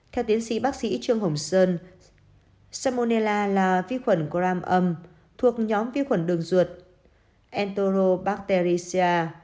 theo tiến sĩ bác sĩ trương hồng sơn salmonella là vi khuẩn gram âm thuộc nhóm vi khuẩn đường ruột enterobacteriaceae